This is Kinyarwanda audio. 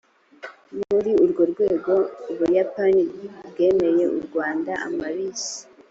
muri urwo rwego u buyapani bwemeye u rwanda amabisi